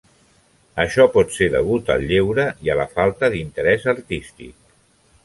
Això pot ser degut al lleure i a la falta d'interès artístic.